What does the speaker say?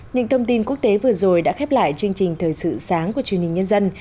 những thông tin quốc tế vừa rồi đã khép lại chương trình thời sự sáng của truyền hình nhân dân